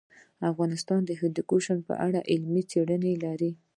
افغانستان د هندوکش په اړه علمي څېړنې لري.